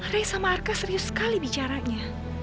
rey sama arka serius sekali bicaranya